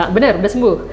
benar sudah sembuh